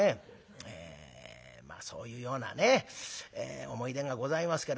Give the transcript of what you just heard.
まあそういうようなね思い出がございますけれども。